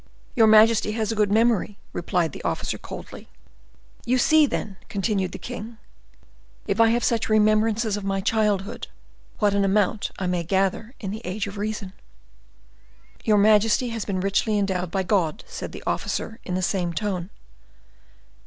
"Your majesty has a good memory," replied the officer, coldly. "You see, then," continued the king, "if I have such remembrances of my childhood, what an amount I may gather in the age of reason." "Your majesty has been richly endowed by God," said the officer, in the same tone.